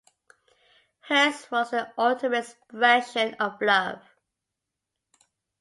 Hers was the ultimate expression of love.